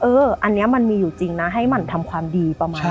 อันนี้มันมีอยู่จริงนะให้หมั่นทำความดีประมาณนี้